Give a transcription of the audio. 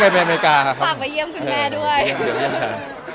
แสวได้ไงของเราก็เชียนนักอยู่ค่ะเป็นผู้ร่วมงานที่ดีมาก